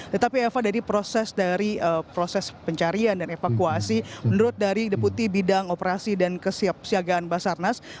tetapi eva dari proses dari proses pencarian dan evakuasi menurut dari deputi bidang operasi dan kesiapsiagaan basarnas